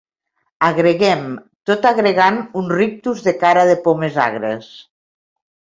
Agregem, tot agregant un rictus de cara de pomes agres.